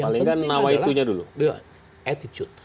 paling penting adalah attitude